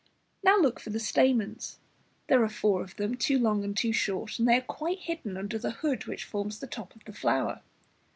Now look for the stamens; there are four of them, two long and two short, and they are quite hidden under the hood which forms the top of the flower.